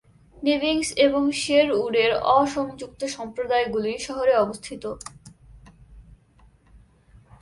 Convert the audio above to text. নেভিনস এবং শেরউডের অ-সংযুক্ত সম্প্রদায়গুলি শহরে অবস্থিত।